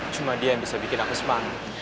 cuma dia yang bisa bikin aku semangat